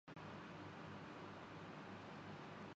Liberals کی نمائندگی ہمارے ہاں پیپلز پارٹی کرتی ہے۔